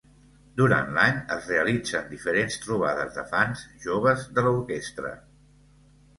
Durant l'any es realitzen diferents trobades de fans joves de l'orquestra.